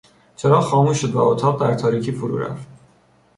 چراغ خاموش شد و اتاق در تاریکی فرو رفت.